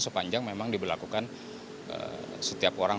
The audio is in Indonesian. sepanjang memang diberlakukan setiap orang